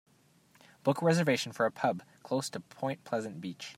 Book a reservation for a pub close to Point Pleasant Beach